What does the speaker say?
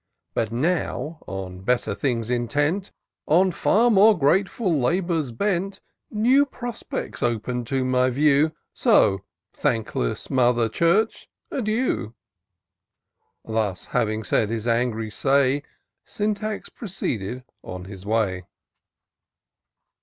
But now, on better things intent. On far more grateful labours bent. New prospects open to my view ; So, thankless Mother Church, adieu !" Thus, having said his angry say. Syntax proceeded on his way.